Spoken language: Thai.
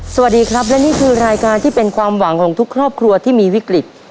สวัสดีครับและนี่คือรายการที่เป็นความหวังของทุกครอบครัวที่มีวิกฤต